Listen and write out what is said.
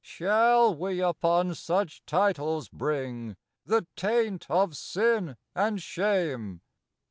Shall we upon such Titles bring The taint of sin and shame